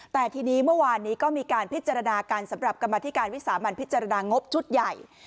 แต่ทีนี้เมื่อวานนี้ก็มีการพิจารณากันสำหรับกรรมธิการวิสามันพิจารณางบชุดใหญ่